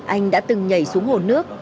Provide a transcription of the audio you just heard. anh đã từng nhảy xuống hồ nước